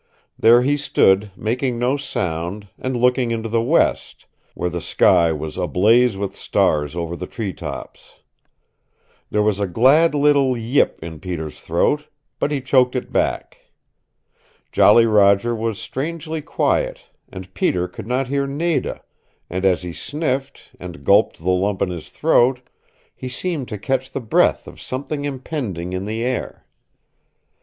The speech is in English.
There he stood, making no sound, and looking into the west, where the sky was ablaze with stars over the tree tops. There was a glad little yip in Peter's throat, but he choked it back. Jolly Roger was strangely quiet, and Peter could not hear Nada, and as he sniffed, and gulped the lump in his throat, he seemed to catch the breath of something impending in the air.